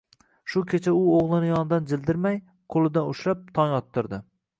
Shu kecha u o‘g‘lini yonidan jildirmay, qo‘lidan ushlab, tong ottirdi.